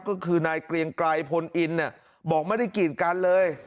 ก็คือนายเกรียงไกรพลอินบอกไม่ได้กีดกันเลย